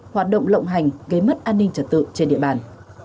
hoạt động lộng hành gây mất an ninh trật tự trên địa bàn